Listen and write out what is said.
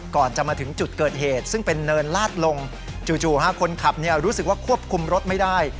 ก่อนจะมาถึงจุดเกิดเหตุซึ่งเป็นเนินลาดลงจู่คนขับรู้สึกว่าควบคุมรถไม่ได้